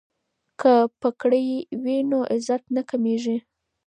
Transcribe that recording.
که پګړۍ وي نو عزت نه کمیږي.